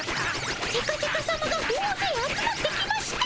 セカセカさまが大ぜい集まってきました。